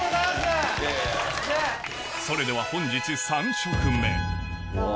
それでは本日３食目うわ。